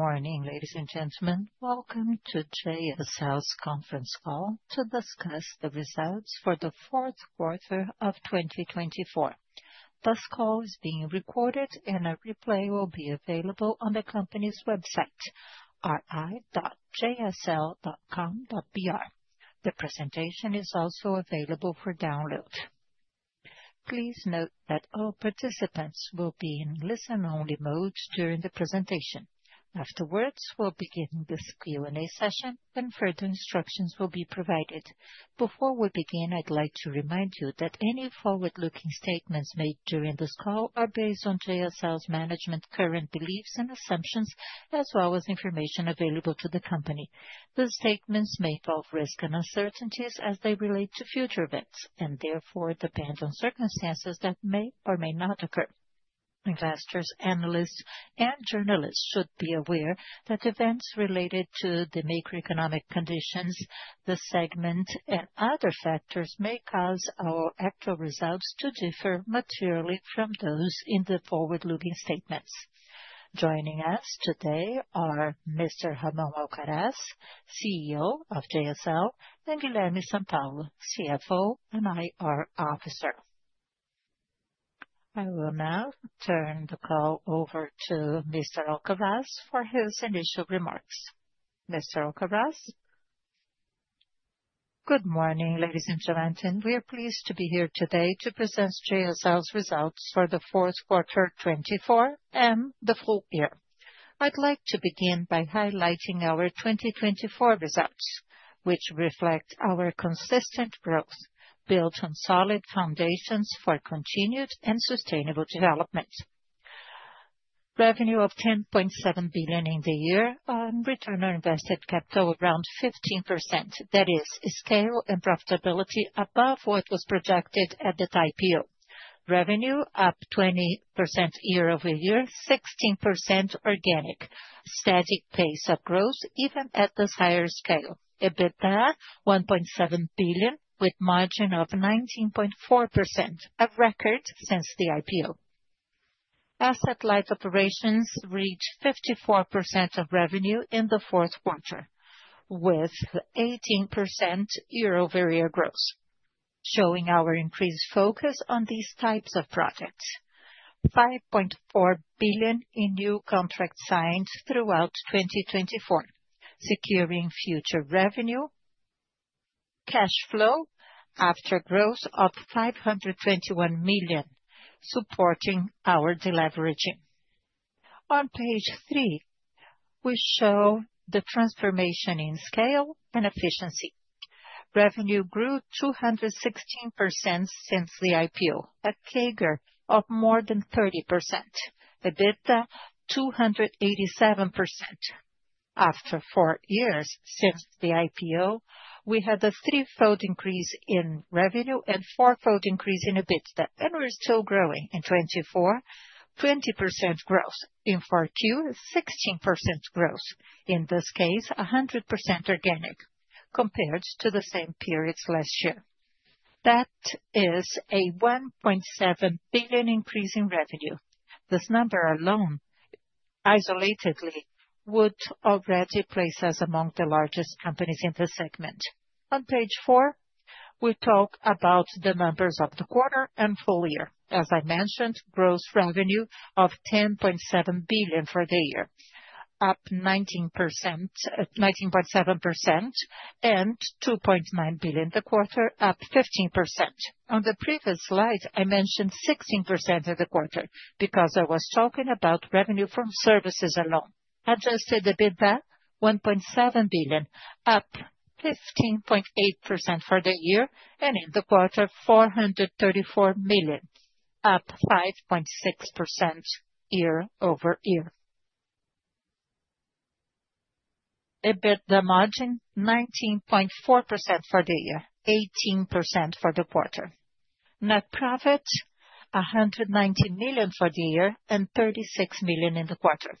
Good morning, ladies and gentlemen. Welcome to JSL's Conference Call to discuss the results for the Q4 of 2024. This call is being recorded, and a replay will be available on the company's website, ri.jsl.com.br. The presentation is also available for download. Please note that all participants will be in listen-only mode during the presentation. Afterwards, we'll begin this Q&A session, and further instructions will be provided. Before we begin, I'd like to remind you that any forward-looking statements made during this call are based on JSL's management current beliefs and assumptions, as well as information available to the company. These statements may involve risk and uncertainties as they relate to future events and therefore depend on circumstances that may or may not occur. Investors, analysts, and journalists should be aware that events related to the macroeconomic conditions, the segment, and other factors may cause our actual results to differ materially from those in the forward-looking statements. Joining us today are Mr. Ramon Alcaraz, CEO of JSL, and Guilherme Sampaio, CFO and IR Officer. I will now turn the call over to Mr. Alcaraz for his initial remarks. Mr. Alcaraz. Good morning, ladies and gentlemen. We are pleased to be here today to present JSL's results for the Q4 2024 and the full year. I'd like to begin by highlighting our 2024 results, which reflect our consistent growth built on solid foundations for continued and sustainable development. Revenue of 10.7 billion in the year on return on invested capital, around 15%. That is, scale and profitability above what was projected at the IPO. Revenue up 20% year-over-year, 16% organic. Static pace of growth even at this higher scale. EBITDA 1.7 billion with margin of 19.4%, a record since the IPO. Asset-light operations reached 54% of revenue in the Q4, with 18% year-over-year growth, showing our increased focus on these types of projects. 5.4 billion in new contracts signed throughout 2024, securing future revenue. Cash flow after growth of 521 million, supporting our deleveraging. On page three, we show the transformation in scale and efficiency. Revenue grew 216% since the IPO, a CAGR of more than 30%. EBITDA 287%. After four years since the IPO, we had a threefold increase in revenue and a fourfold increase in EBITDA, and we're still growing in 2024. 20% growth in Q4, 16% growth. In this case, 100% organic compared to the same periods last year. That is a 1.7 billion increase in revenue. This number alone, isolatedly, would already place us among the largest companies in the segment. On page four, we talk about the numbers of the quarter and full year. As I mentioned, gross revenue of 10.7 billion for the year, up 19.7%, and 2.9 billion the quarter, up 15%. On the previous slide, I mentioned 16% of the quarter because I was talking about revenue from services alone. Adjusted EBITDA, 1.7 billion, up 15.8% for the year, and in the quarter, 434 million, up 5.6% year-over-year. EBITDA margin 19.4% for the year, 18% for the quarter. Net profit 190 million for the year and 36 million in the quarter.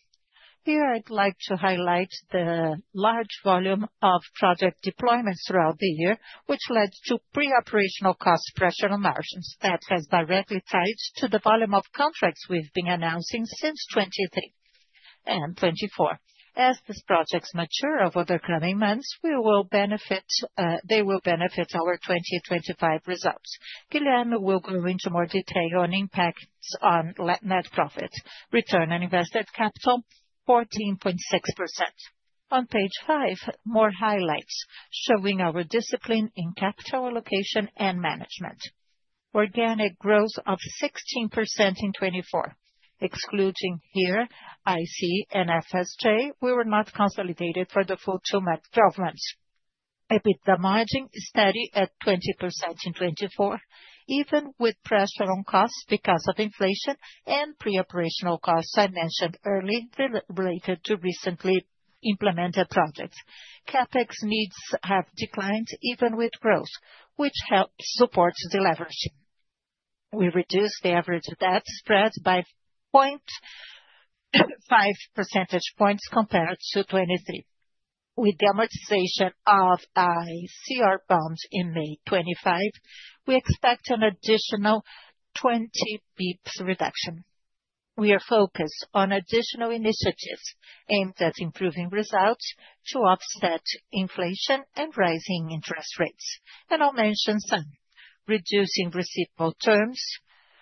Here, I'd like to highlight the large volume of project deployments throughout the year, which led to pre-operational cost pressure on margins. That has directly tied to the volume of contracts we've been announcing since 2023 and 2024. As these projects mature over the coming months, they will benefit our 2025 results. Guilherme will go into more detail on impacts on net profit. Return on invested capital, 14.6%. On page five, more highlights showing our discipline in capital allocation and management. Organic growth of 16% in 2024. Excluding here, IC and FSJ, we were not consolidated for the full 12 months. EBITDA margin steady at 20% in 2024, even with pressure on costs because of inflation and pre-operational costs I mentioned earlier related to recently implemented projects. CapEx needs have declined even with growth, which helps support the leveraging. We reduced the average debt spread by 0.5 percentage points compared to 2023. With the amortization of CRA bonds in May 2025, we expect an additional 20 basis points reduction. We are focused on additional initiatives aimed at improving results to offset inflation and rising interest rates. I'll mention some: reducing receivable terms,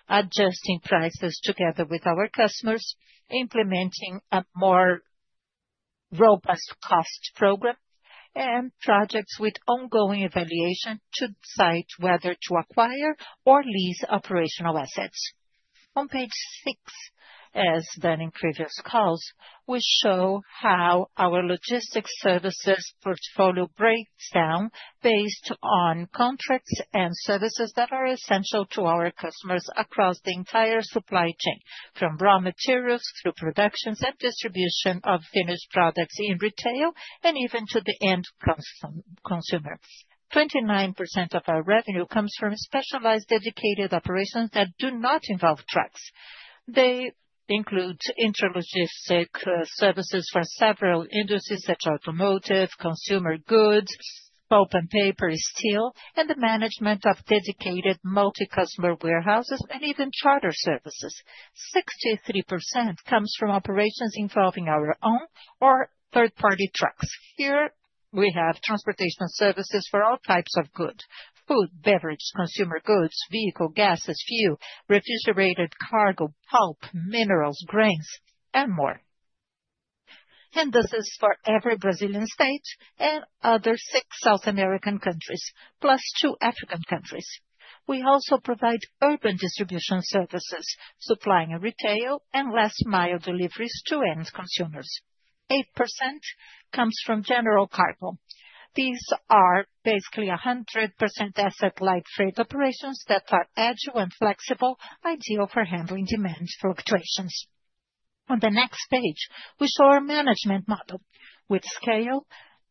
adjusting prices together with our customers, implementing a more robust cost program, and projects with ongoing evaluation to decide whether to acquire or lease operational assets. On page six, as done in previous calls, we show how our logistics services portfolio breaks down based on contracts and services that are essential to our customers across the entire supply chain, from raw materials through production and distribution of finished products in retail and even to the end consumer. 29% of our revenue comes from specialized dedicated operations that do not involve trucks. They include interlogistic services for several industries such as automotive, consumer goods, pulp and paper, steel, and the management of dedicated multi-customer warehouses and even charter services. 63% comes from operations involving our own or third-party trucks. Here, we have transportation services for all types of goods: food, beverage, consumer goods, vehicle, gas, fuel, refrigerated cargo, pulp, minerals, grains, and more. This is for every Brazilian state and other six South American countries, plus two African countries. We also provide urban distribution services, supplying retail and last-mile deliveries to end consumers. 8% comes from general cargo. These are basically 100% asset-light freight operations that are agile and flexible, ideal for handling demand fluctuations. On the next page, we show our management model with scale,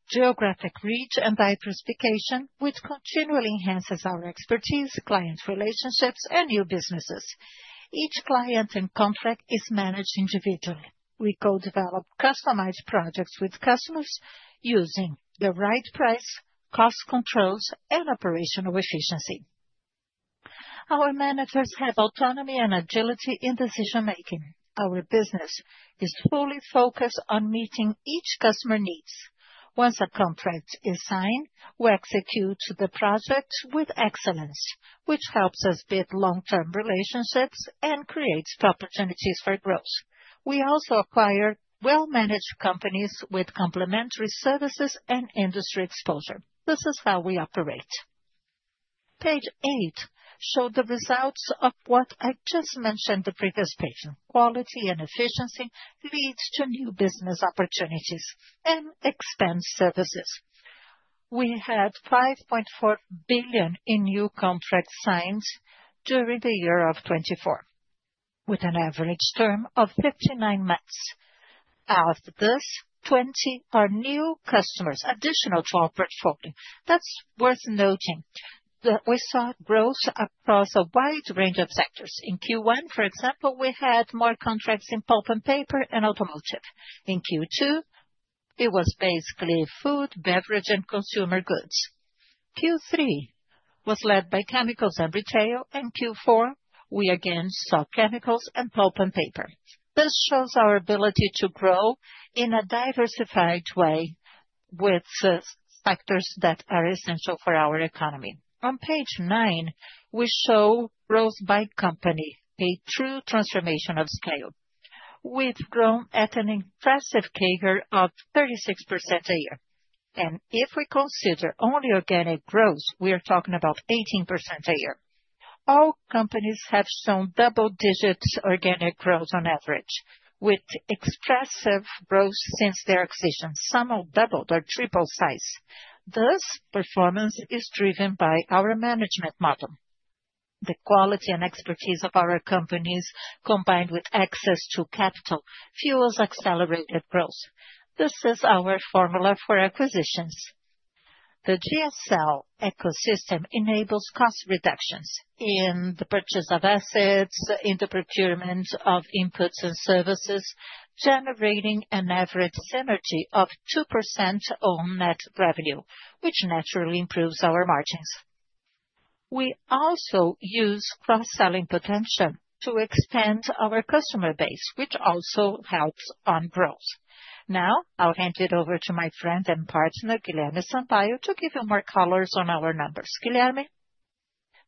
geographic reach, and diversification, which continually enhances our expertise, client relationships, and new businesses. Each client and contract is managed individually. We co-develop customized projects with customers using the right price, cost controls, and operational efficiency. Our managers have autonomy and agility in decision-making. Our business is fully focused on meeting each customer needs. Once a contract is signed, we execute the project with excellence, which helps us build long-term relationships and creates opportunities for growth. We also acquire well-managed companies with complementary services and industry exposure. This is how we operate. Page eight showed the results of what I just mentioned in the previous page. Quality and efficiency lead to new business opportunities and expand services. We had 5.4 billion in new contracts signed during the year of 2024, with an average term of 59 months. After this, 20 are new customers additional to our portfolio. That's worth noting that we saw growth across a wide range of sectors. In Q1, for example, we had more contracts in pulp and paper and automotive. In Q2, it was basically food, beverage, and consumer goods. Q3 was led by chemicals and retail, and Q4, we again saw chemicals and pulp and paper. This shows our ability to grow in a diversified way with sectors that are essential for our economy. On page nine, we show growth by company, a true transformation of scale. We've grown at an impressive CAGR of 36% a year. If we consider only organic growth, we are talking about 18% a year. All companies have shown double-digit organic growth on average, with expressive growth since their acquisition. Some have doubled or tripled size. This performance is driven by our management model. The quality and expertise of our companies, combined with access to capital, fuels accelerated growth. This is our formula for acquisitions. The JSL ecosystem enables cost reductions in the purchase of assets, in the procurement of inputs and services, generating an average synergy of 2% on net revenue, which naturally improves our margins. We also use cross-selling potential to expand our customer base, which also helps on growth. Now, I'll hand it over to my friend and partner, Guilherme Sampaio, to give you more colors on our numbers. Guilherme?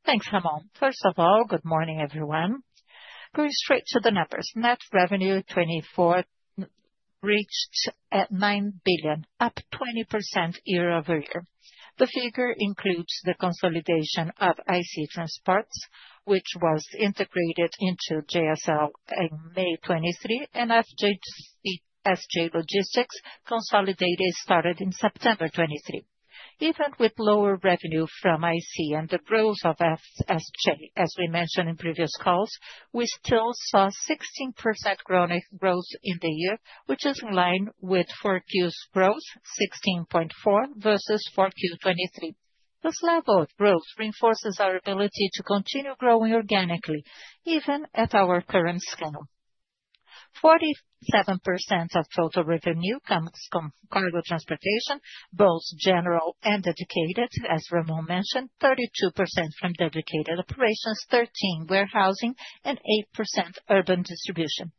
Thanks, Ramon. First of all, good morning, everyone. Going straight to the numbers. Net revenue 2024 reached at 9 billion, up 20% year-over-year. The figure includes the consolidation of IC Transportes, which was integrated into JSL in May 2023, and FSJ Logistics consolidated started in September 2023. Even with lower revenue from IC and the growth of FSJ, as we mentioned in previous calls, we still saw 16% growth in the year, which is in line with Q4 growth, 16.4% versus Q4 2023. This level of growth reinforces our ability to continue growing organically, even at our current scale. 47% of total revenue comes from cargo transportation, both general and dedicated, as Ramon mentioned, 32% from dedicated operations, 13% warehousing, and 8% urban distribution.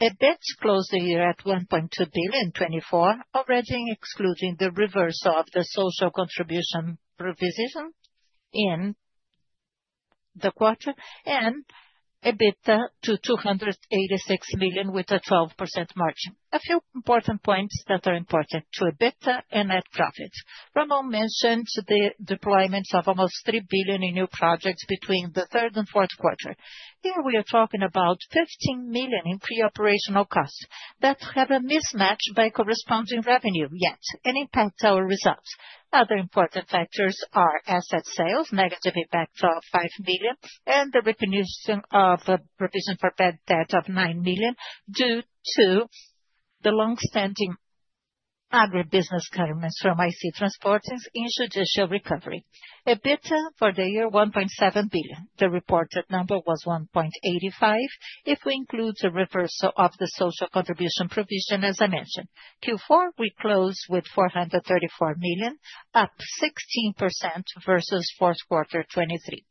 EBIT closed the year at 1.2 billion in 2024, already excluding the reversal of the social contribution provision in the quarter, and EBITDA to 286 million with a 12% margin. A few important points that are important to EBITDA and net profit. Ramon mentioned the deployment of almost 3 billion in new projects between the third and Q4. Here, we are talking about 15 million in pre-operational costs that have a mismatch by corresponding revenue yet and impact our results. Other important factors are asset sales, negative impact of 5 million, and the recognition of a provision for bad debt of 9 million due to the long-standing agribusiness cutterments from IC Transportes in judicial recovery. EBITDA for the year, 1.7 billion. The reported number was 1.85 billion if we include the reversal of the social contribution provision, as I mentioned. Q4, we closed with 434 million, up 16% versus Q4 2023.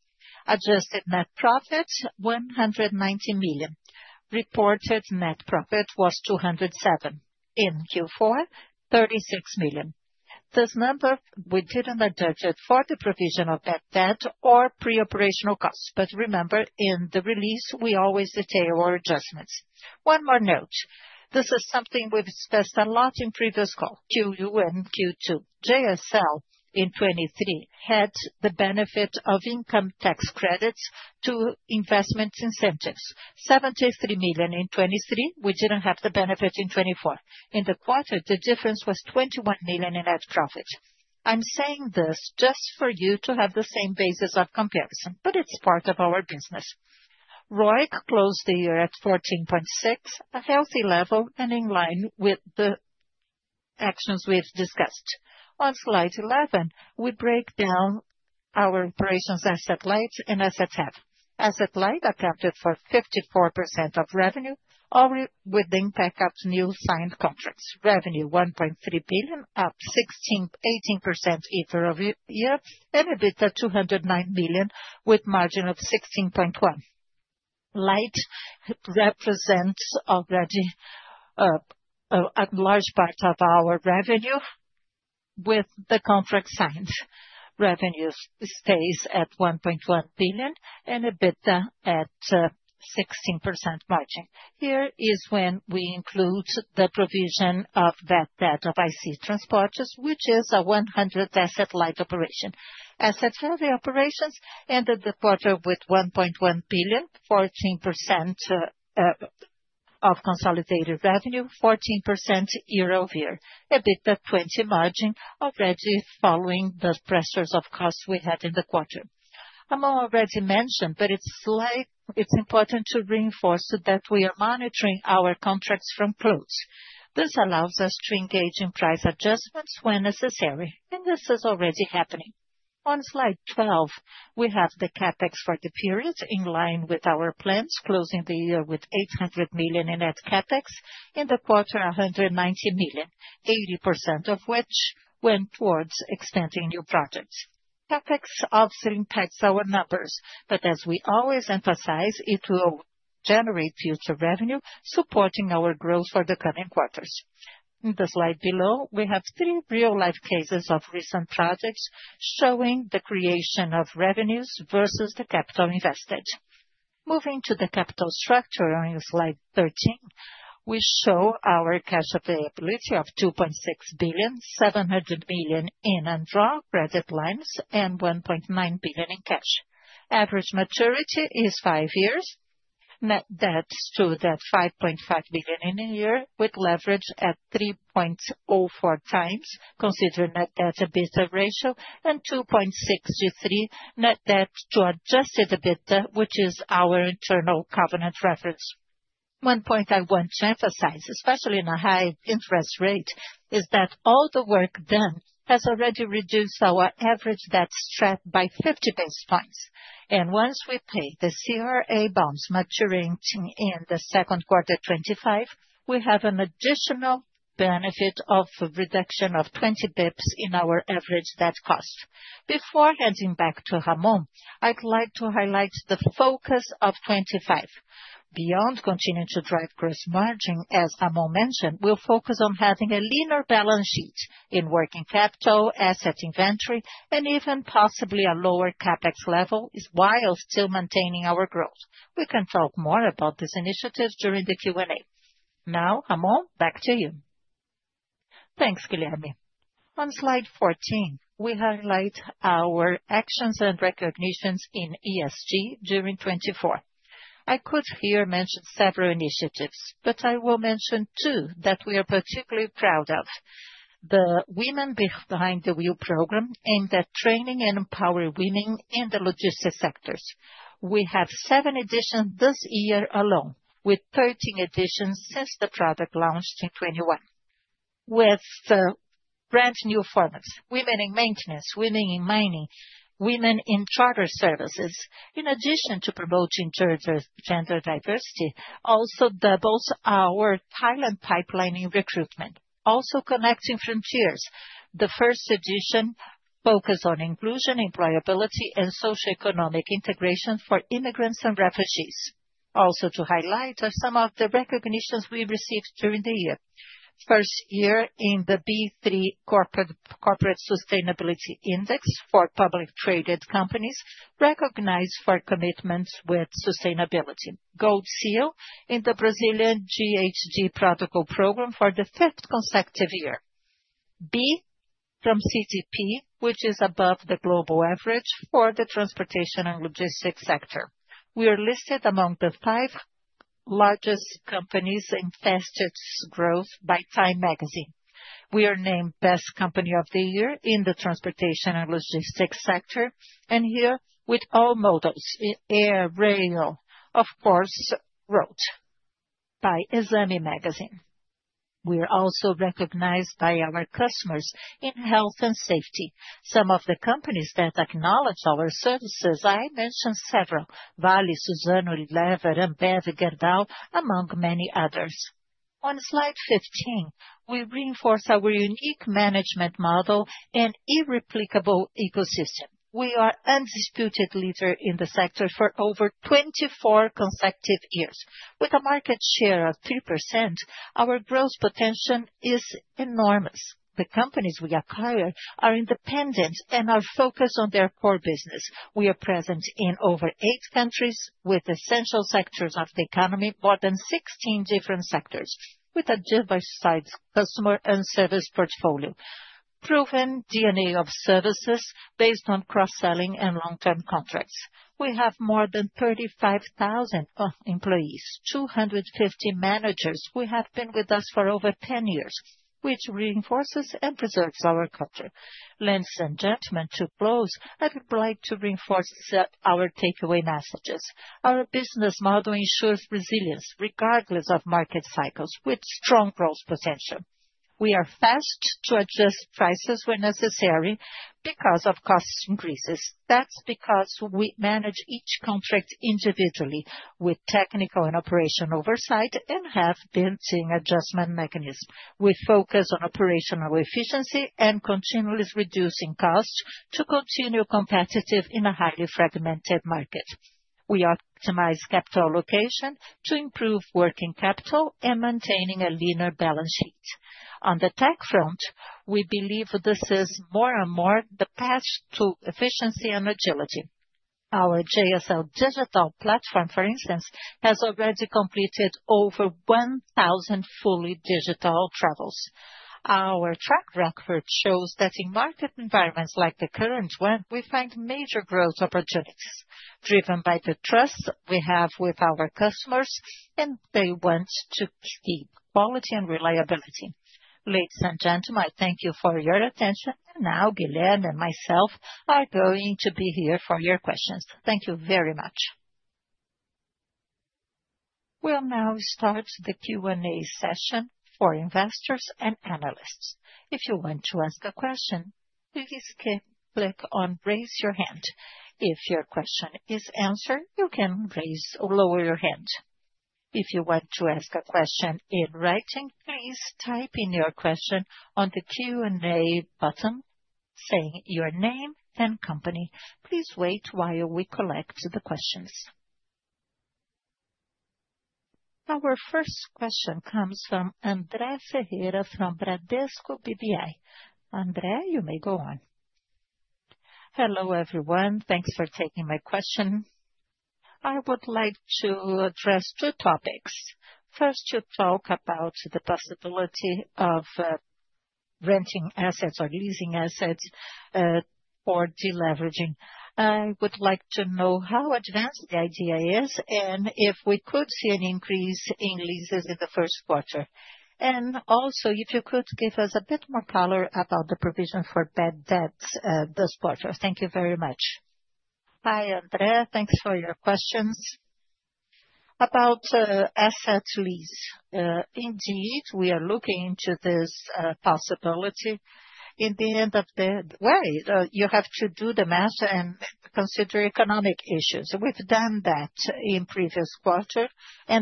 Adjusted net profit, 119 million. Reported net profit was 207 million in Q4, 36 million. This number, we did not adjust it for the provision of bad debt or pre-operational costs. Remember, in the release, we always detail our adjustments. One more note. This is something we have discussed a lot in previous calls. Q1 and Q2. JSL in 2023 had the benefit of income tax credits to investment incentives, 73 million in 2023. We did not have the benefit in 2024. In the quarter, the difference was 21 million in net profit. I am saying this just for you to have the same basis of comparison, but it is part of our business. ROIC closed the year at 14.6%, a healthy level and in line with the actions we have discussed. On slide 11, we break down our operations asset-light and asset heavy. Asset-light accounted for 54% of revenue, all with the impact of new signed contracts. Revenue 1.3 billion, up 16%, 18% year-over-year, and EBITDA 209 million with margin of 16.1%. Light represents already a large part of our revenue with the contract signed. Revenue stays at 1.1 billion and EBITDA at 16% margin. Here is when we include the provision of bad debt of IC Transportes, which is a 100% asset-light operation. Asset heavy operations ended the quarter with 1.1 billion, 14% of consolidated revenue, 14% year-over-year. EBITDA 20% margin already following the pressures of costs we had in the quarter. I already mentioned, but it's like it's important to reinforce that we are monitoring our contracts from close. This allows us to engage in price adjustments when necessary, and this is already happening. On slide 12, we have the CapEx for the period in line with our plans, closing the year with 800 million in net CapEx. In the quarter, 190 million, 80% of which went towards expanding new projects. CapEx also impacts our numbers, but as we always emphasize, it will generate future revenue supporting our growth for the coming quarters. In the slide below, we have three real-life cases of recent projects showing the creation of revenues versus the capital invested. Moving to the capital structure on slide 13, we show our cash availability of 2.6 billion, 700 million in undrawn credit lines and 1.9 billion in cash. Average maturity is five years. Net debt stood at 5.5 billion in a year with leverage at 3.04 times, considering that debt EBITDA ratio and 2.63 net debt to adjusted EBITDA, which is our internal covenant reference. One point I want to emphasize, especially in a high interest rate, is that all the work done has already reduced our average debt spread by 50 basis points. Once we pay the CRA bonds maturing in the Q2 2025, we have an additional benefit of a reduction of 20 basis points in our average debt cost. Before handing back to Ramon, I'd like to highlight the focus of 2025. Beyond continuing to drive gross margin, as Ramon mentioned, we'll focus on having a leaner balance sheet in working capital, asset inventory, and even possibly a lower CapEx level while still maintaining our growth. We can talk more about this initiative during the Q&A. Now, Ramon, back to you. Thanks, Guilherme. On slide 14, we highlight our actions and recognitions in ESG during 2024. I could here mention several initiatives, but I will mention two that we are particularly proud of. The Women Behind the Wheel program aimed at training and empowering women in the logistics sectors. We have seven additions this year alone, with 13 additions since the product launched in 2021, with brand new formats. Women in maintenance, women in mining, women in charter services, in addition to promoting gender diversity, also doubles our talent pipeline in recruitment, also Connecting Frontiers. The first edition focused on inclusion, employability, and socioeconomic integration for immigrants and refugees. Also to highlight are some of the recognitions we received during the year. First year in the B3 Corporate Sustainability Index for public traded companies, recognized for commitments with sustainability. Gold Seal in the Brazilian GHG Protocol program for the fifth consecutive year. B from CDP, which is above the global average for the transportation and logistics sector. We are listed among the five largest companies in fastest growth by Time Magazine. We are named Best Company of the Year in the transportation and logistics sector, and here with all models: air, rail, of course, road by Islamic Magazine. We are also recognized by our customers in health and safety. Some of the companies that acknowledge our services, I mentioned several: Vale, Suzano, Unilever, Ambev, Gerdau, among many others. On slide 15, we reinforce our unique management model and irreplicable ecosystem. We are an undisputed leader in the sector for over 24 consecutive years. With a market share of 3%, our growth potential is enormous. The companies we acquire are independent and are focused on their core business. We are present in over eight countries with essential sectors of the economy, more than 16 different sectors, with a diversified customer and service portfolio, proven DNA of services based on cross-selling and long-term contracts. We have more than 35,000 employees, 250 managers who have been with us for over 10 years, which reinforces and preserves our culture. Ladies and gentlemen, to close, I would like to reinforce our takeaway messages. Our business model ensures resilience regardless of market cycles with strong growth potential. We are fast to adjust prices when necessary because of cost increases. That is because we manage each contract individually with technical and operational oversight and have built-in adjustment mechanisms. We focus on operational efficiency and continuously reducing costs to continue competitive in a highly fragmented market. We optimize capital allocation to improve working capital and maintain a leaner balance sheet. On the tech front, we believe this is more and more the path to efficiency and agility. Our JSL digital platform, for instance, has already completed over 1,000 fully digital travels. Our track record shows that in market environments like the current one, we find major growth opportunities driven by the trust we have with our customers, and they want to keep quality and reliability. Ladies and gentlemen, I thank you for your attention. Guilherme and myself are going to be here for your questions. Thank you very much. We'll now start the Q&A session for investors and analysts. If you want to ask a question, please click on "Raise Your Hand." If your question is answered, you can raise or lower your hand. If you want to ask a question in writing, please type in your question on the Q&A button saying your name and company. Please wait while we collect the questions. Our first question comes from Andre Ferreira from Bradesco BBI. Andre, you may go on. Hello everyone. Thanks for taking my question. I would like to address two topics. First, to talk about the possibility of renting assets or leasing assets or deleveraging. I would like to know how advanced the idea is and if we could see an increase in leases in the Q1. Also, if you could give us a bit more color about the provision for bad debt this quarter. Thank you very much. Hi, Andre. Thanks for your questions. About asset lease, indeed, we are looking into this possibility in the end of the way. You have to do the math and consider economic issues. We've done that in previous quarters.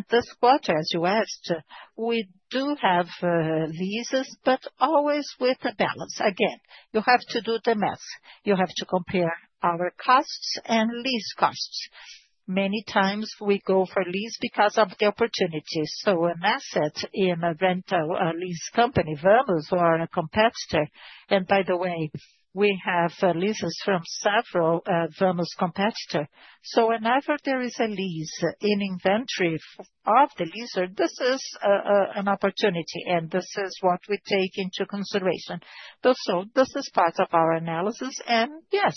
This quarter, as you asked, we do have leases, but always with a balance. Again, you have to do the math. You have to compare our costs and lease costs. Many times we go for lease because of the opportunity. An asset in a rental lease company, Vamos, or a competitor. By the way, we have leases from several Vamos competitors. Whenever there is a lease in inventory of the lessor, this is an opportunity and this is what we take into consideration. This is part of our analysis and yes,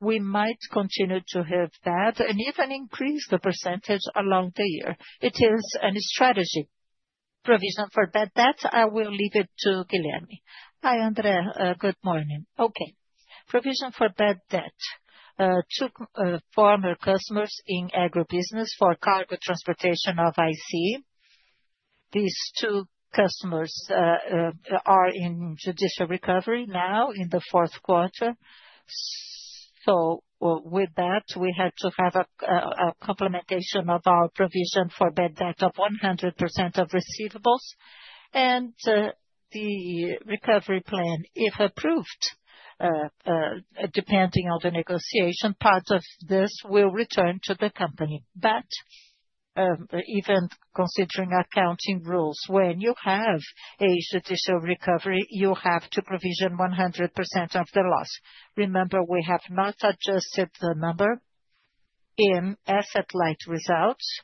we might continue to have that and even increase the percentage along the year. It is a strategy. Provision for bad debt, I will leave it to Guilherme. Hi, Andre. Good morning. Okay. Provision for bad debt. Two former customers in agribusiness for cargo transportation of IC. These two customers are in judicial recovery now in the Q4. With that, we had to have a complementation of our provision for bad debt of 100% of receivables. The recovery plan, if approved, depending on the negotiation, part of this will return to the company. Even considering accounting rules, when you have a judicial recovery, you have to provision 100% of the loss. Remember, we have not adjusted the number in asset-light results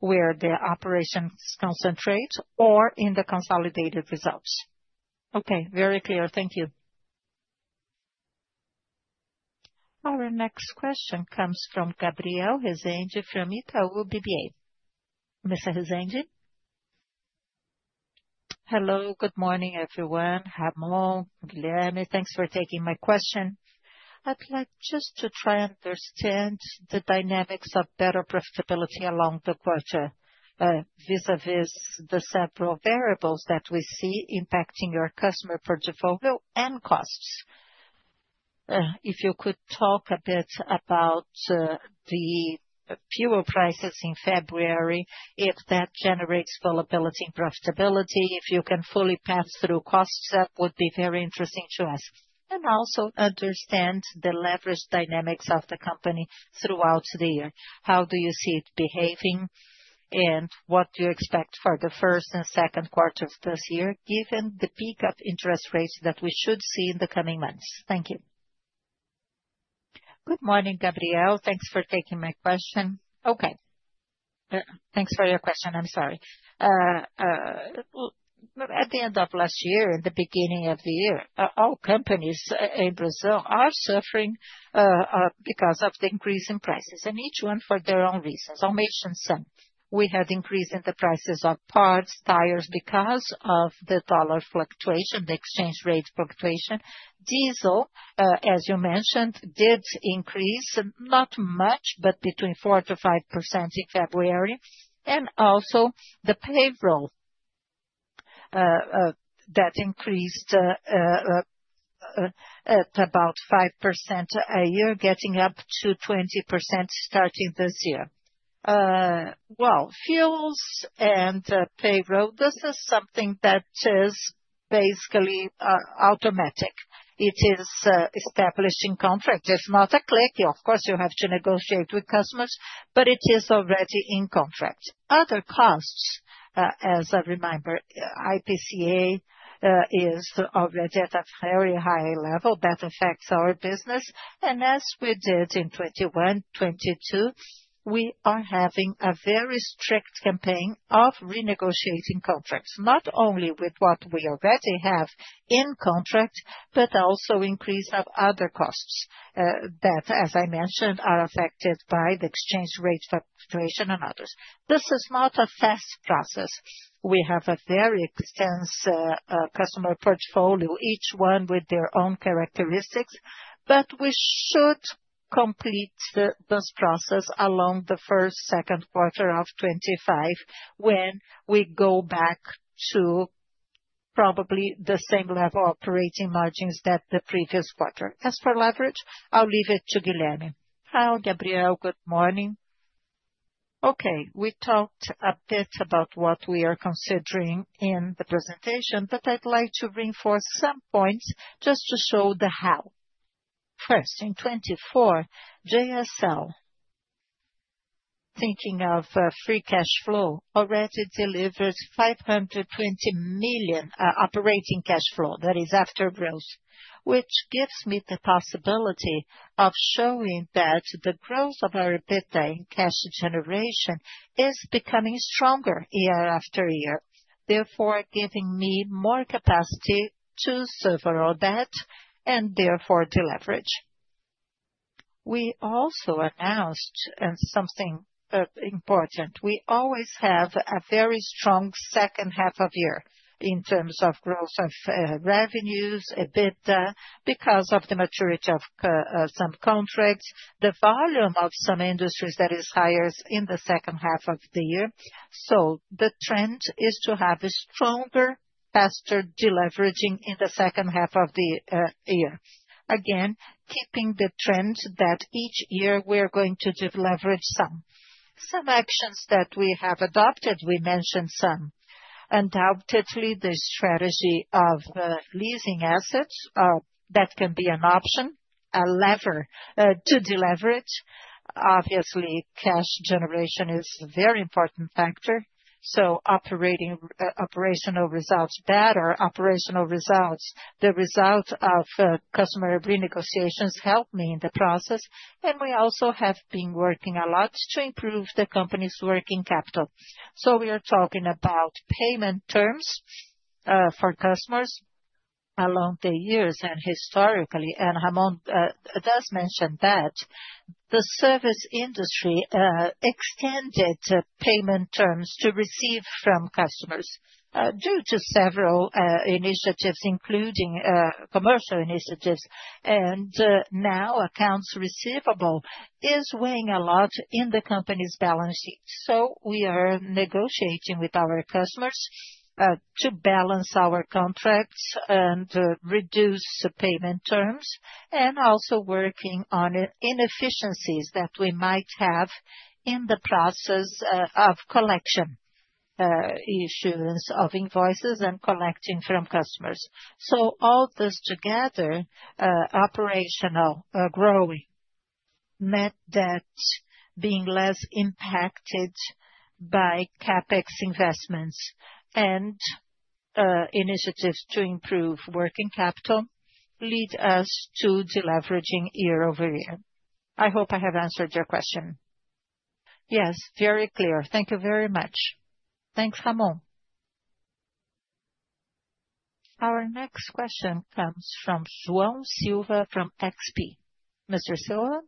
where the operations concentrate or in the consolidated results. Okay, very clear. Thank you. Our next question comes from Gabriel Rezende from Itaú BBA. Mr. Rezende? Hello, good morning everyone. Ramon, Guilherme, thanks for taking my question. I'd like just to try and understand the dynamics of better profitability along the quarter vis-à-vis the several variables that we see impacting your customer portfolio and costs. If you could talk a bit about the fuel prices in February, if that generates volatility and profitability, if you can fully pass through costs, that would be very interesting to us. Also, understand the leverage dynamics of the company throughout the year. How do you see it behaving and what do you expect for the first and Q2 of this year given the peak of interest rates that we should see in the coming months? Thank you. Good morning, Gabriel. Thanks for taking my question. Okay. Thanks for your question. I'm sorry. At the end of last year, in the beginning of the year, all companies in Brazil are suffering because of the increase in prices. Each one for their own reasons. I'll mention some. We had an increase in the prices of parts, tires because of the dollar fluctuation, the exchange rate fluctuation. Diesel, as you mentioned, did increase, not much, but between 4-5% in February. Also, the payroll that increased at about 5% a year, getting up to 20% starting this year. Fuels and payroll, this is something that is basically automatic. It is established in contract. It's not a click. Of course, you have to negotiate with customers, but it is already in contract. Other costs, as a reminder, IPCA is already at a very high level that affects our business. As we did in 2021, 2022, we are having a very strict campaign of renegotiating contracts, not only with what we already have in contract, but also increase of other costs that, as I mentioned, are affected by the exchange rate fluctuation and others. This is not a fast process. We have a very extensive customer portfolio, each one with their own characteristics, but we should complete this process along the first, Q2 of 2025 when we go back to probably the same level operating margins that the previous quarter. As for leverage, I'll leave it to Guilherme. Hi, Gabriel. Good morning. Okay, we talked a bit about what we are considering in the presentation, but I'd like to reinforce some points just to show the how. First, in 2024, JSL, thinking of free cash flow, already delivered 520 million operating cash flow, that is after growth, which gives me the possibility of showing that the growth of our EBITDA in cash generation is becoming stronger year after year, therefore giving me more capacity to serve our debt and therefore deleverage. We also announced something important. We always have a very strong second half of year in terms of growth of revenues, EBITDA, because of the maturity of some contracts, the volume of some industries that is higher in the second half of the year. The trend is to have a stronger, faster deleveraging in the second half of the year. Again, keeping the trend that each year we are going to deleverage some. Some actions that we have adopted, we mentioned some. Undoubtedly, the strategy of leasing assets that can be an option, a lever to deleverage. Obviously, cash generation is a very important factor. Operational results better, operational results, the result of customer renegotiations helped me in the process. We also have been working a lot to improve the company's working capital. We are talking about payment terms for customers along the years and historically. Ramon does mention that the service industry extended payment terms to receive from customers due to several initiatives, including commercial initiatives. Now accounts receivable is weighing a lot in the company's balance sheet. We are negotiating with our customers to balance our contracts and reduce payment terms and also working on inefficiencies that we might have in the process of collection issues of invoices and collecting from customers. All this together, operational growing, net debt being less impacted by CapEx investments and initiatives to improve working capital lead us to deleveraging year-over-year. I hope I have answered your question. Yes, very clear. Thank you very much. Thanks, Ramon. Our next question comes from João Silva from XP. Mr. Silva?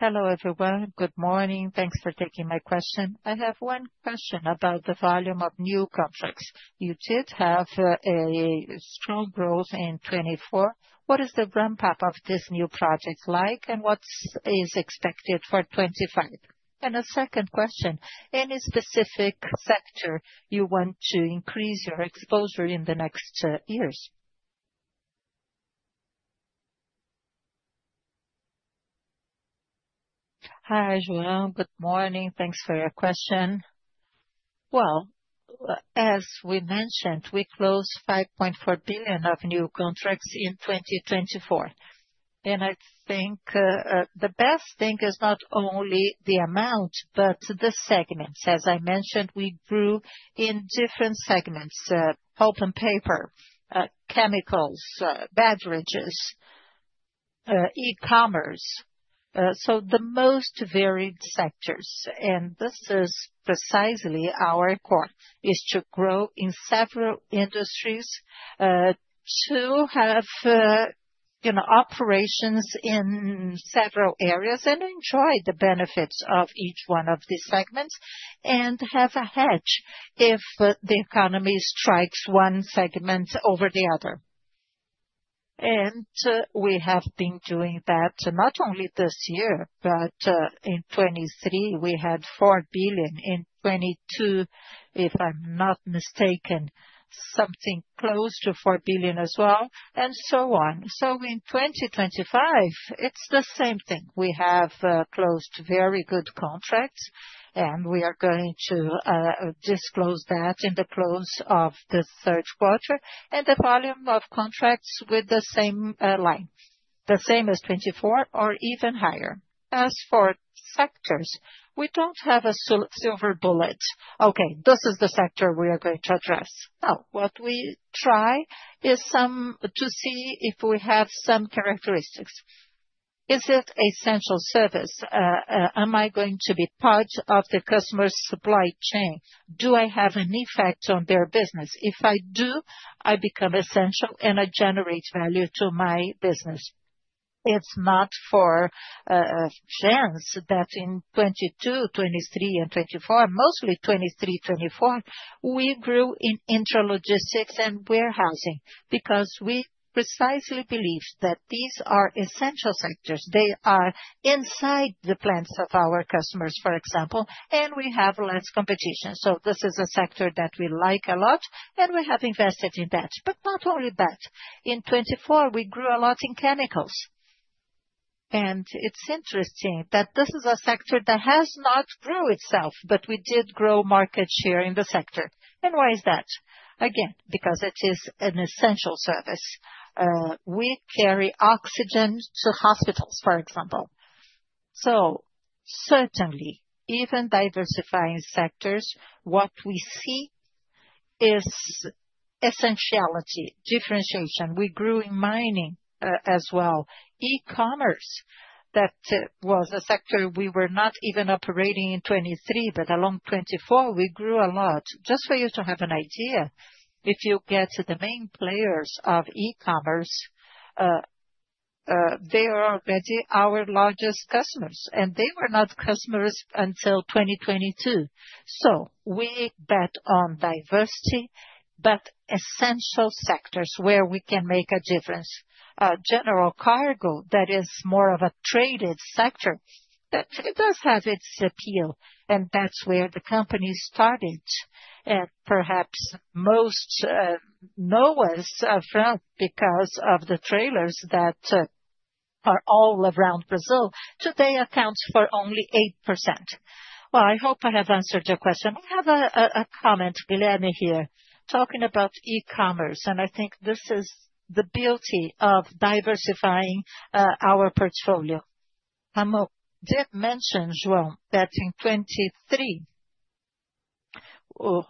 Hello everyone. Good morning. Thanks for taking my question. I have one question about the volume of new contracts. You did have a strong growth in 2024. What is the ramp-up of this new project like and what is expected for 2025? A second question, any specific sector you want to increase your exposure in the next years? Hi, João. Good morning. Thanks for your question. As we mentioned, we closed 5.4 billion of new contracts in 2024. I think the best thing is not only the amount, but the segments. As I mentioned, we grew in different segments: pulp and paper, chemicals, beverages, e-commerce. The most varied sectors. This is precisely our core, to grow in several industries, to have operations in several areas and enjoy the benefits of each one of these segments and have a hedge if the economy strikes one segment over the other. We have been doing that not only this year, but in 2023, we had 4 billion. In 2022, if I'm not mistaken, something close to 4 billion as well, and so on. In 2025, it is the same thing. We have closed very good contracts, and we are going to disclose that in the close of the Q3 and the volume of contracts with the same line, the same as 2024 or even higher. As for sectors, we do not have a silver bullet. Okay, this is the sector we are going to address. Now, what we try is to see if we have some characteristics. Is it essential service? Am I going to be part of the customer's supply chain? Do I have an effect on their business? If I do, I become essential and I generate value to my business. It is not for chance that in 2022, 2023, and 2024, mostly 2023, 2024, we grew in intralogistics and warehousing because we precisely believe that these are essential sectors. They are inside the plants of our customers, for example, and we have less competition. This is a sector that we like a lot, and we have invested in that. Not only that, in 2024, we grew a lot in chemicals. It is interesting that this is a sector that has not grown itself, but we did grow market share in the sector. Why is that? Again, because it is an essential service. We carry oxygen to hospitals, for example. Certainly, even diversifying sectors, what we see is essentiality, differentiation. We grew in mining as well. E-commerce, that was a sector we were not even operating in 2023, but along 2024, we grew a lot. Just for you to have an idea, if you get to the main players of e-commerce, they are already our largest customers, and they were not customers until 2022. We bet on diversity, but essential sectors where we can make a difference. General cargo, that is more of a traded sector, that does have its appeal, and that is where the company started. Perhaps most know us from that because of the trailers that are all around Brazil. Today, it accounts for only 8%. I hope I have answered your question. I have a comment, Guilherme, here talking about e-commerce, and I think this is the beauty of diversifying our portfolio. Ramon did mention, João, that in 2023,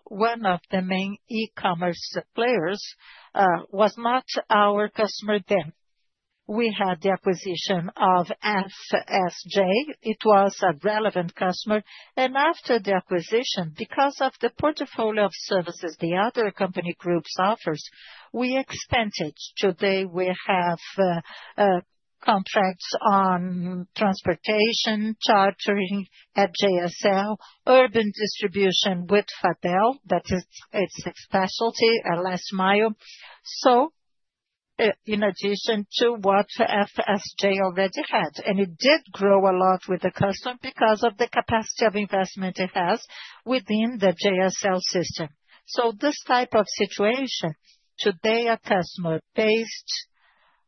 one of the main e-commerce players was not our customer then. We had the acquisition of FSJ. It was a relevant customer. After the acquisition, because of the portfolio of services the other company groups offer, we expanded. Today, we have contracts on transportation, chartering at JSL, urban distribution with Fabel, that is its specialty, last mile. In addition to what FSJ already had, and it did grow a lot with the customer because of the capacity of investment it has within the JSL system. This type of situation, today, a customer based on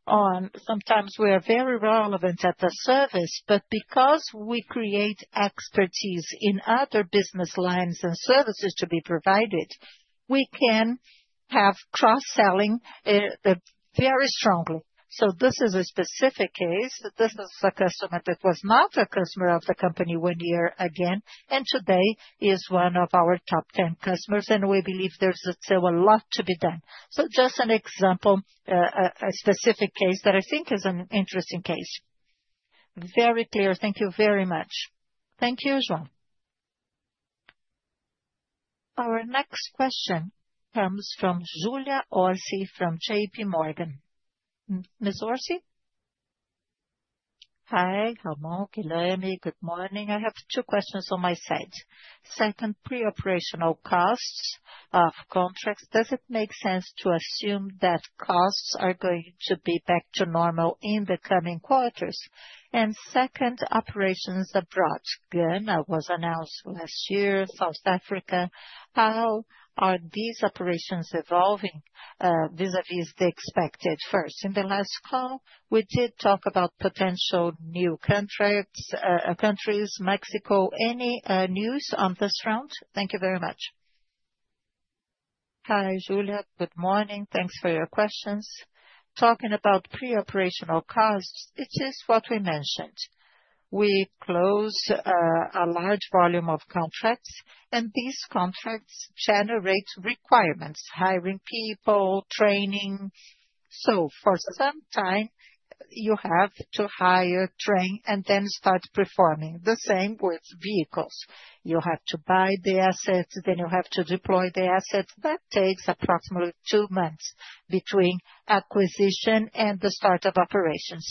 sometimes we are very relevant at the service, but because we create expertise in other business lines and services to be provided, we can have cross-selling very strongly. This is a specific case. This is a customer that was not a customer of the company one year ago, and today is one of our top 10 customers, and we believe there is still a lot to be done. Just an example, a specific case that I think is an interesting case. Very clear. Thank you very much. Thank you, João. Our next question comes from Julia Orsi from JPMorgan. Ms. Orsi? Hi, Ramon, Guilherme. Good morning. I have two questions on my side. Second, pre-operational costs of contracts. Does it make sense to assume that costs are going to be back to normal in the coming quarters? Second, operations abroad. Again, that was announced last year, South Africa. How are these operations evolving vis-à-vis the expected? First, in the last call, we did talk about potential new countries, Mexico. Any news on this round? Thank you very much. Hi, Julia. Good morning. Thanks for your questions. Talking about pre-operational costs, it is what we mentioned. We close a large volume of contracts, and these contracts generate requirements, hiring people, training. For some time, you have to hire, train, and then start performing. The same with vehicles. You have to buy the assets, then you have to deploy the assets. That takes approximately two months between acquisition and the start of operations.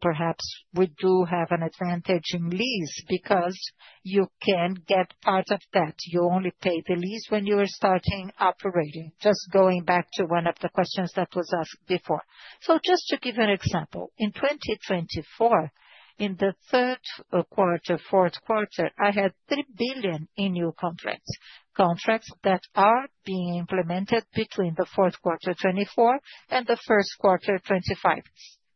Perhaps we do have an advantage in lease because you can get part of that. You only pay the lease when you are starting operating. Just going back to one of the questions that was asked before. Just to give you an example, in 2024, in the Q3, Q4, I had 3 billion in new contracts. Contracts that are being implemented between the Q4 2024 and the Q1 2025.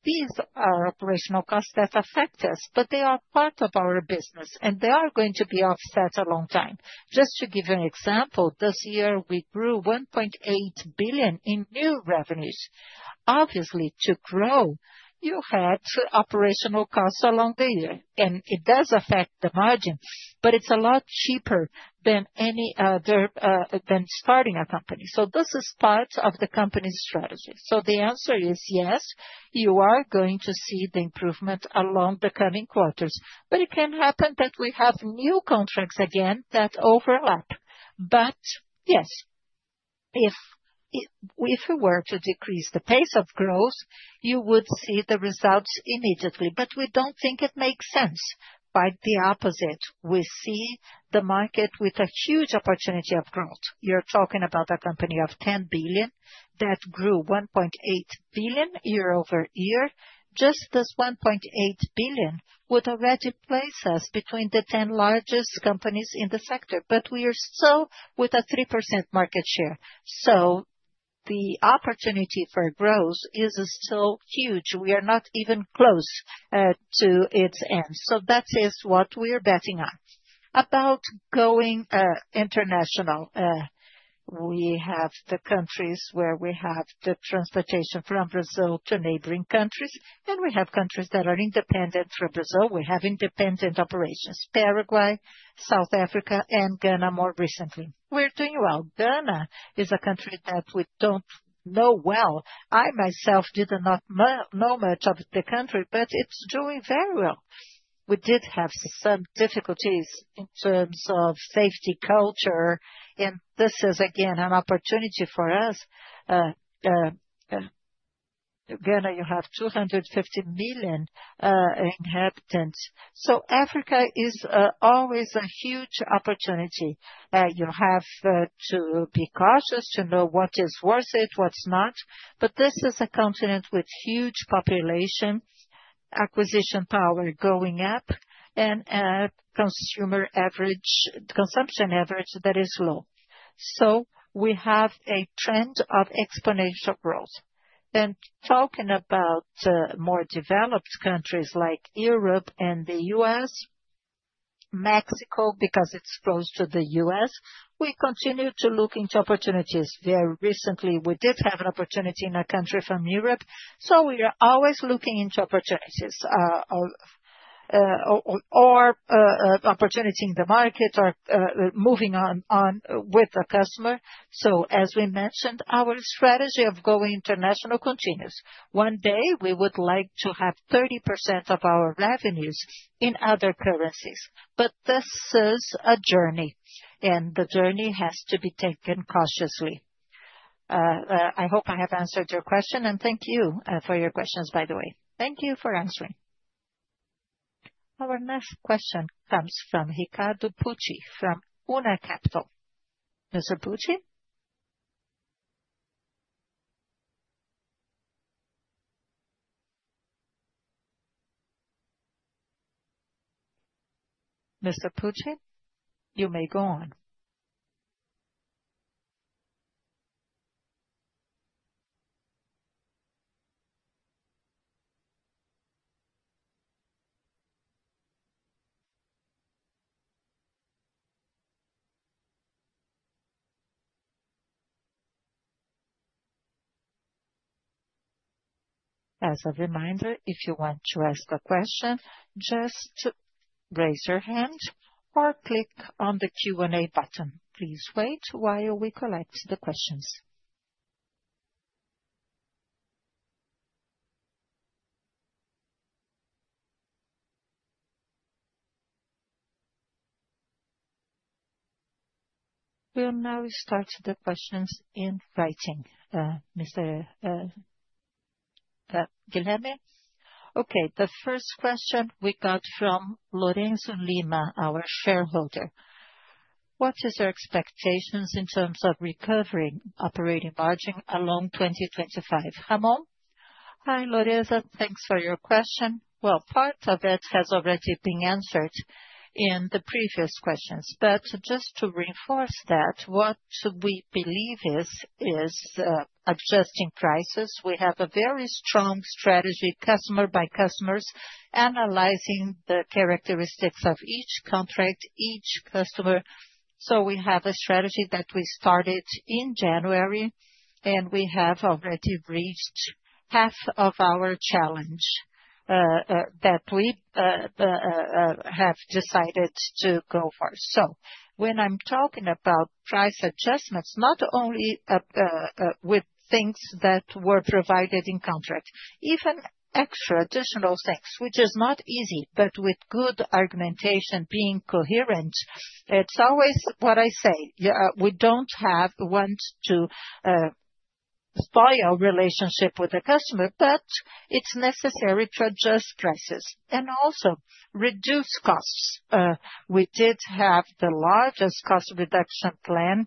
These are operational costs that affect us, but they are part of our business, and they are going to be offset a long time. Just to give you an example, this year, we grew 1.8 billion in new revenues. Obviously, to grow, you had operational costs along the year, and it does affect the margin, but it is a lot cheaper than starting a company. This is part of the company's strategy. Yes, you are going to see the improvement along the coming quarters. It can happen that we have new contracts again that overlap. Yes, if we were to decrease the pace of growth, you would see the results immediately. We do not think it makes sense. Quite the opposite. We see the market with a huge opportunity of growth. You are talking about a company of 10 billion that grew 1.8 billion year-over-year. Just this 1.8 billion would already place us between the 10 largest companies in the sector, but we are still with a 3% market share. The opportunity for growth is still huge. We are not even close to its end. That is what we are betting on. About going international, we have the countries where we have the transportation from Brazil to neighboring countries, and we have countries that are independent from Brazil. We have independent operations: Paraguay, South Africa, and Ghana more recently. We're doing well. Ghana is a country that we don't know well. I myself did not know much of the country, but it's doing very well. We did have some difficulties in terms of safety culture, and this is, again, an opportunity for us. Ghana you have 25 million inhabitants. Africa is always a huge opportunity. You have to be cautious to know what is worth it, what's not. This is a continent with huge population, acquisition power going up, and consumption average that is low. We have a trend of exponential growth. Talking about more developed countries like Europe and the U.S., Mexico, because it's close to the U.S., we continue to look into opportunities. Very recently, we did have an opportunity in a country from Europe. We are always looking into opportunities or opportunity in the market or moving on with the customer. As we mentioned, our strategy of going international continues. One day, we would like to have 30% of our revenues in other currencies. This is a journey, and the journey has to be taken cautiously. I hope I have answered your question, and thank you for your questions, by the way. Thank you for answering. Our next question comes from Ricardo Pucci from Una Capital. Mr. Pucci? Mr. Pucci, you may go on. As a reminder, if you want to ask a question, just raise your hand or click on the Q&A button. Please wait while we collect the questions. We'll now start the questions in writing. Mr. Guilherme. Okay, the first question we got from Lorenzo Lima, our shareholder. What is your expectations in terms of recovering operating margin along 2025? Ramon? Hi, Lorenzo. Thanks for your question. Part of it has already been answered in the previous questions. Just to reinforce that, what we believe is adjusting prices. We have a very strong strategy, customer by customer, analyzing the characteristics of each contract, each customer. We have a strategy that we started in January, and we have already reached half of our challenge that we have decided to go for. When I'm talking about price adjustments, not only with things that were provided in contract, even extra additional things, which is not easy, but with good argumentation, being coherent, it's always what I say. We don't want to spoil the relationship with the customer, but it's necessary to adjust prices and also reduce costs. We did have the largest cost reduction plan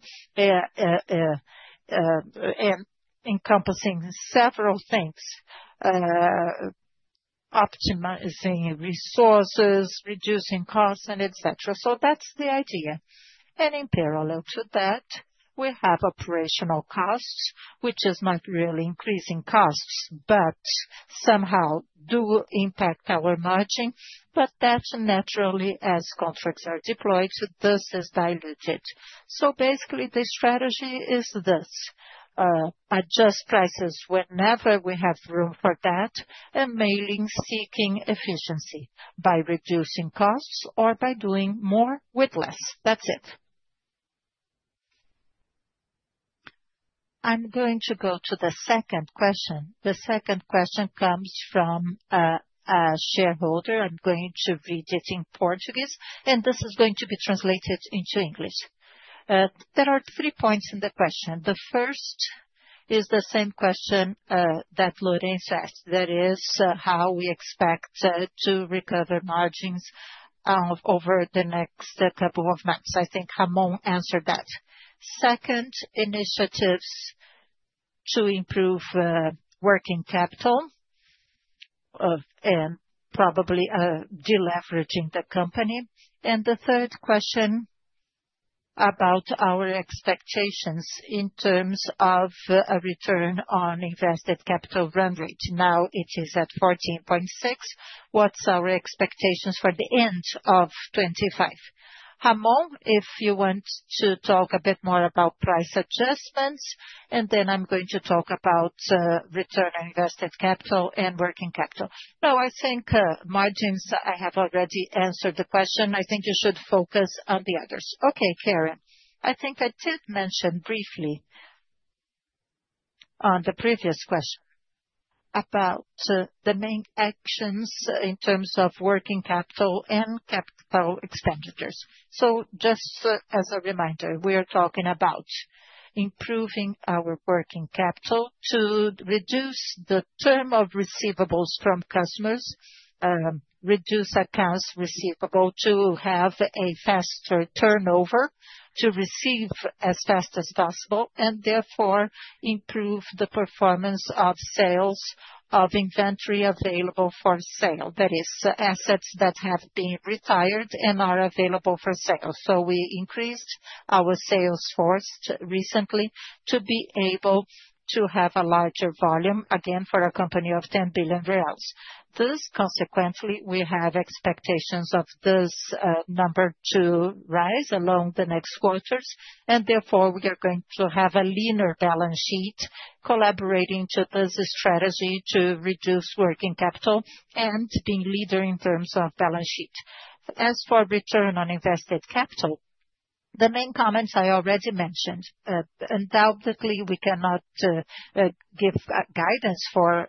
encompassing several things: optimizing resources, reducing costs, and etc. That is the idea. In parallel to that, we have operational costs, which is not really increasing costs, but somehow do impact our margin. That naturally, as contracts are deployed, is diluted. Basically, the strategy is this: adjust prices whenever we have room for that, and mainly seeking efficiency by reducing costs or by doing more with less. That's it. I'm going to go to the second question. The second question comes from a shareholder. I'm going to read it in Portuguese, and this is going to be translated into English. There are three points in the question. The first is the same question that Lorenzo asked. That is how we expect to recover margins over the next couple of months. I think Ramon answered that. Second, initiatives to improve working capital and probably deleveraging the company. And the third question about our expectations in terms of a return on invested capital run rate. Now it is at 14.6%. What's our expectations for the end of 2025? Ramon, if you want to talk a bit more about price adjustments, and then I'm going to talk about return on invested capital and working capital. No, I think margins, I have already answered the question. I think you should focus on the others. Okay, [Karen]. I think I did mention briefly on the previous question about the main actions in terms of working capital and capital expenditures. Just as a reminder, we are talking about improving our working capital to reduce the term of receivables from customers, reduce accounts receivable to have a faster turnover, to receive as fast as possible, and therefore improve the performance of sales of inventory available for sale. That is, assets that have been retired and are available for sale. We increased our sales force recently to be able to have a larger volume, again, for a company of 10 billion reais. Consequently, we have expectations of this number to rise along the next quarters. Therefore, we are going to have a leaner balance sheet collaborating to this strategy to reduce working capital and being leader in terms of balance sheet. As for return on invested capital, the main comments I already mentioned. Undoubtedly, we cannot give guidance for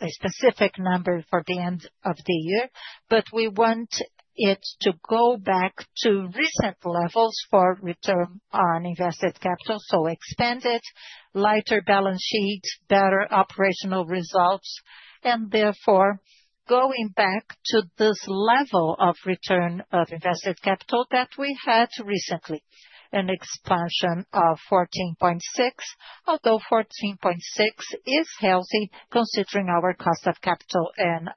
a specific number for the end of the year, but we want it to go back to recent levels for return on invested capital. Expanded, lighter balance sheet, better operational results, and therefore going back to this level of return on invested capital that we had recently, an expansion of 14.6%, although 14.6% is healthy considering our cost of capital and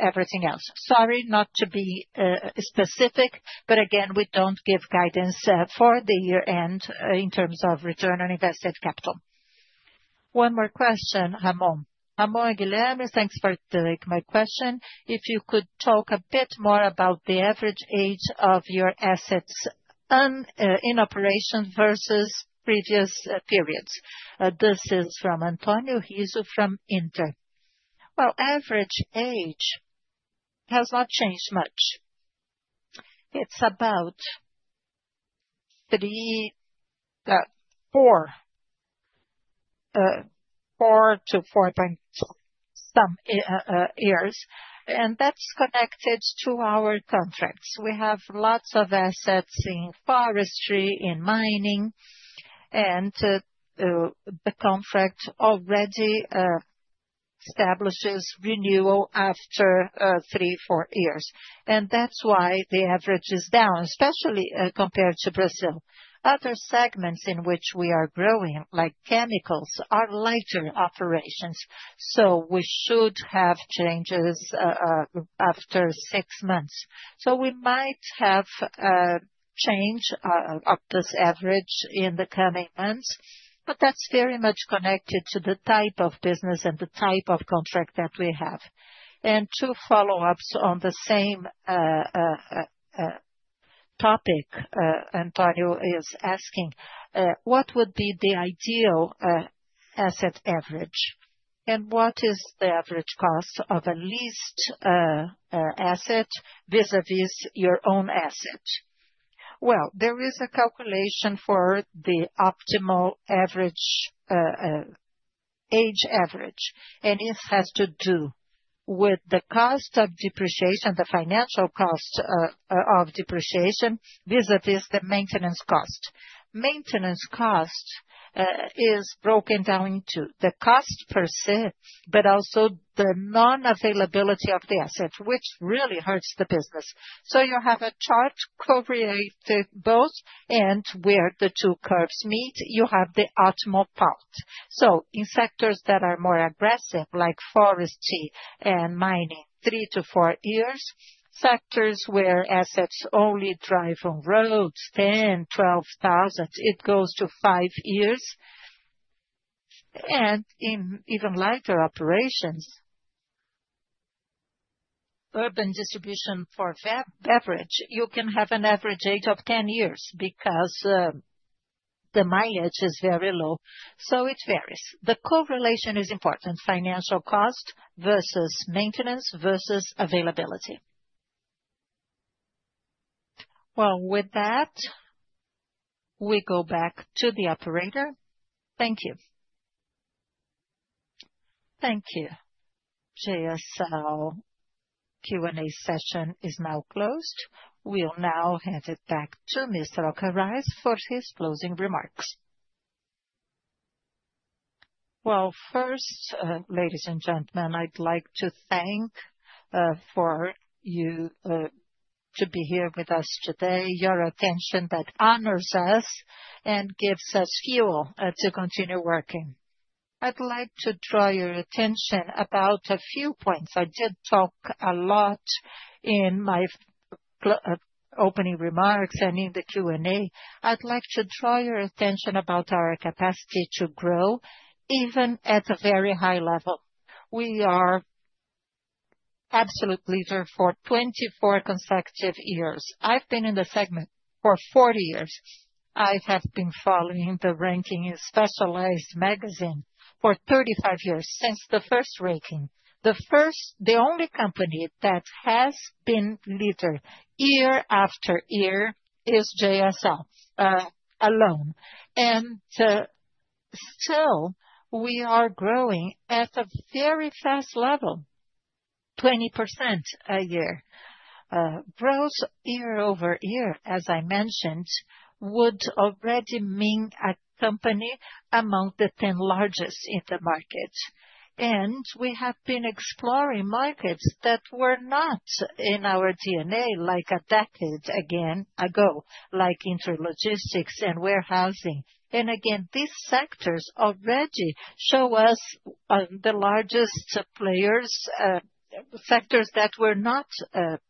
everything else. Sorry not to be specific, but again, we do not give guidance for the year-end in terms of return on invested capital. One more question, Ramon. Ramon and Guilherme, thanks for taking my question. If you could talk a bit more about the average age of your assets in operation versus previous periods. This is from Antonio Rizzo from Inter. Average age has not changed much. It is about four to four point some years. That is connected to our contracts. We have lots of assets in forestry, in mining, and the contract already establishes renewal after three, four years. That is why the average is down, especially compared to Brazil. Other segments in which we are growing, like chemicals, are lighter operations. We should have changes after six months. We might have change of this average in the coming months, but that is very much connected to the type of business and the type of contract that we have. Two follow-ups on the same topic. Antonio is asking, what would be the ideal asset average? What is the average cost of a leased asset vis-à-vis your own asset? There is a calculation for the optimal average age average, and it has to do with the cost of depreciation, the financial cost of depreciation vis-à-vis the maintenance cost. Maintenance cost is broken down into the cost per se, but also the non-availability of the asset, which really hurts the business. You have a chart correlated both and where the two curves meet, you have the optimal part. In sectors that are more aggressive, like forestry and mining, three to four years, sectors where assets only drive on roads, 10, 12,000, it goes to five years. In even lighter operations, urban distribution for beverage, you can have an average age of 10 years because the mileage is very low. It varies. The correlation is important, financial cost versus maintenance versus availability. With that, we go back to the operator. Thank you. Thank you. JSL Q&A session is now closed. We'll now hand it back to Mr. Alcaraz for his closing remarks. Ladies and gentlemen, I'd like to thank you for being here with us today, your attention that honors us and gives us fuel to continue working. I'd like to draw your attention about a few points. I did talk a lot in my opening remarks and in the Q&A. I'd like to draw your attention about our capacity to grow even at a very high level. We are absolute leader for 24 consecutive years. I've been in the segment for 40 years. I have been following the ranking in specialized magazine for 35 years since the first ranking. The only company that has been leader year after year is JSL alone. Still, we are growing at a very fast level, 20% a year. Growth year-over-year, as I mentioned, would already mean a company among the 10 largest in the market. We have been exploring markets that were not in our DNA like a decade ago, like intralogistics and warehousing. These sectors already show us the largest players, sectors that were not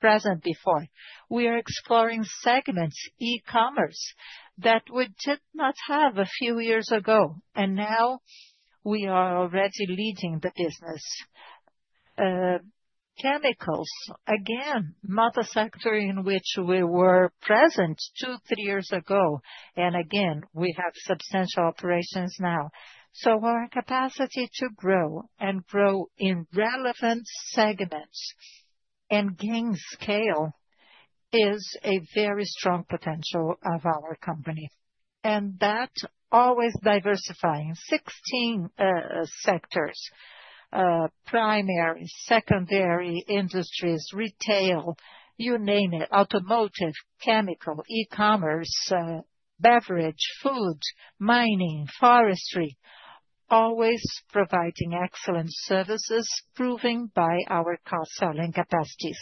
present before. We are exploring segments, e-commerce, that we did not have a few years ago. Now we are already leading the business. Chemicals, again, not a sector in which we were present two, three years ago. We have substantial operations now. Our capacity to grow and grow in relevant segments and gain scale is a very strong potential of our company. That always diversifying, 16 sectors, primary, secondary industries, retail, you name it, automotive, chemical, e-commerce, beverage, food, mining, forestry, always providing excellent services, proving by our cross-selling capacities.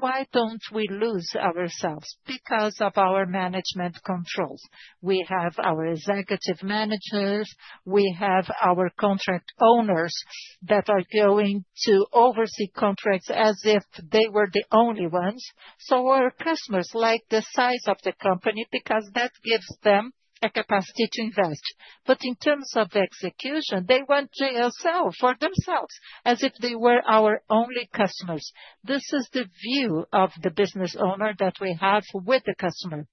Why do not we lose ourselves? Because of our management controls. We have our executive managers. We have our contract owners that are going to oversee contracts as if they were the only ones. Our customers like the size of the company because that gives them a capacity to invest. In terms of execution, they want JSL for themselves as if they were our only customers. This is the view of the business owner that we have with the customer.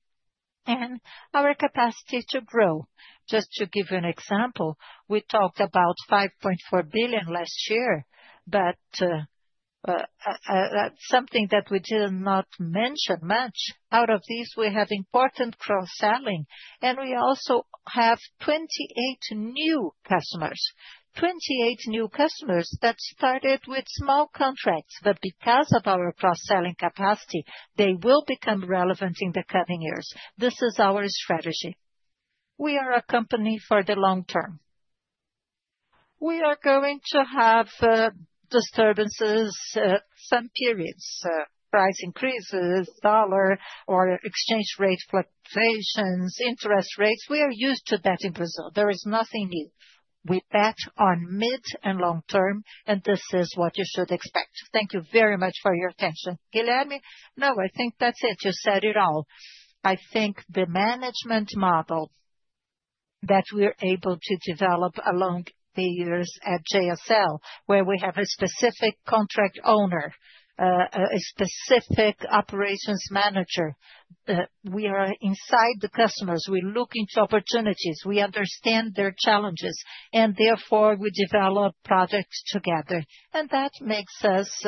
Our capacity to grow, just to give you an example, we talked about 5.4 billion last year, but something that we did not mention much. Out of these, we have important cross-selling, and we also have 28 new customers, 28 new customers that started with small contracts. Because of our cross-selling capacity, they will become relevant in the coming years. This is our strategy. We are a company for the long term. We are going to have disturbances, some periods, price increases, dollar or exchange rate fluctuations, interest rates. We are used to that in Brazil. There is nothing new. We bet on mid and long term, and this is what you should expect. Thank you very much for your attention. Guilherme, no, I think that's it. You said it all. I think the management model that we're able to develop along the years at JSL, where we have a specific contract owner, a specific operations manager, we are inside the customers. We look into opportunities. We understand their challenges, and therefore we develop products together. That makes us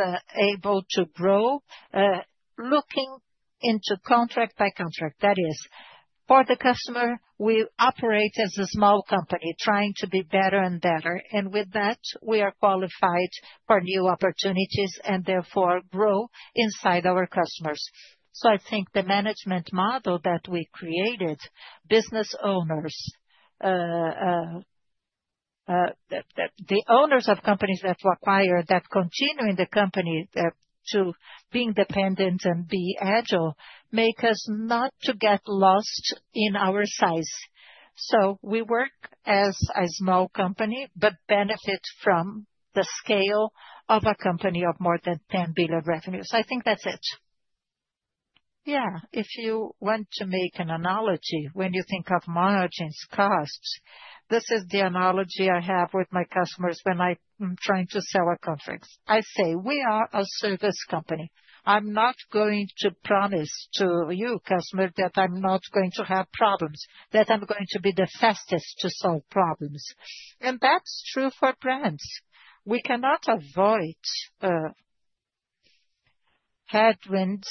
able to grow looking into contract by contract. That is, for the customer, we operate as a small company trying to be better and better. With that, we are qualified for new opportunities and therefore grow inside our customers. I think the management model that we created, business owners, the owners of companies that require that continuing the company to be independent and be agile makes us not to get lost in our size. We work as a small company, but benefit from the scale of a company of more than 10 billion revenues. I think that's it. Yeah, if you want to make an analogy when you think of margins costs, this is the analogy I have with my customers when I'm trying to sell a contract. I say we are a service company. I'm not going to promise to you, customer, that I'm not going to have problems, that I'm going to be the fastest to solve problems. That's true for brands. We cannot avoid headwinds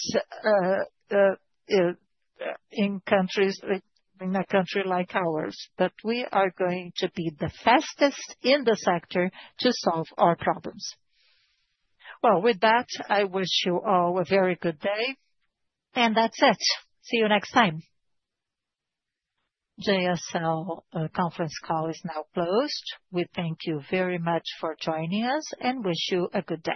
in a country like ours, but we are going to be the fastest in the sector to solve our problems. I wish you all a very good day. That is it. See you next time. JSL Conference Call is now closed. We thank you very much for joining us and wish you a good day.